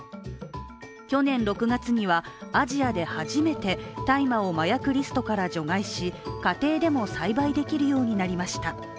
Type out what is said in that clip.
去年６月にはアジアで初めて大麻を麻薬リストから除外し家庭でも栽培できるようになりました。